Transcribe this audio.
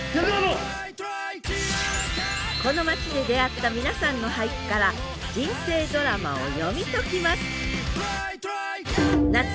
この町で出会った皆さんの俳句から人生ドラマを読み解きます